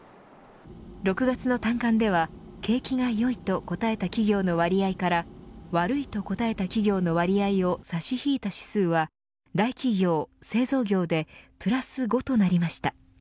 ６月の短観では景気が良いと答えた企業の割合から悪いと答えた企業の割合を差し引いた指数は大企業、製造業でプラス５となりました。